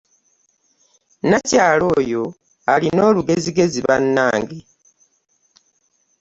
Nakyala oyo alina olugezigezi bannange!